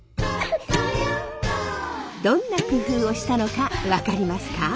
どんな工夫をしたのか分かりますか？